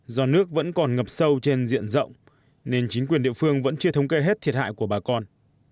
do nước vẫn còn ngập sâu trên diện rộng nên chính quyền địa phương vẫn chưa thống kê hết thiệt hại của bà con